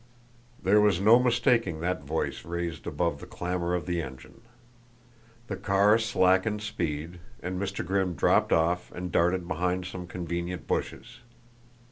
There was no mistaking that voice raised above the clamor of the engine. The car slackened speed, and Mr. Grimm dropped off and darted behind some convenient bushes.